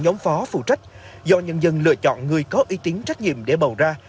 nhóm phó phụ trách do nhân dân lựa chọn người có ý tính trách nhiệm để bầu ra